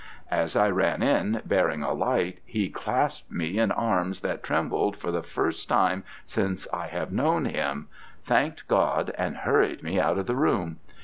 As I ran in, bearing a light, he clasped me in arms that trembled for the first time since I have known him, thanked God, and hurried me out of the room.